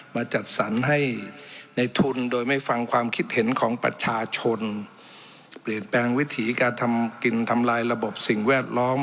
มาจัดสรรให้ในทุนโดยไม่ฟังความคิดเห็นของประชาชนเปลี่ยนแปลงวิถีการทำกินทำลายระบบสิ่งแวดล้อม